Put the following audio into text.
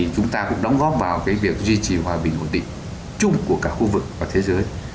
chúng ta cũng đóng góp vào việc duy trì hòa bình ổn định chung của cả khu vực và thế giới